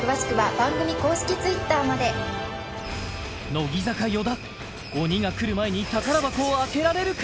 乃木坂・与田鬼が来る前に宝箱を開けられるか？